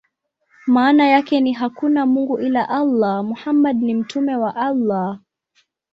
Maana yake ni: "Hakuna mungu ila Allah; Muhammad ni mtume wa Allah".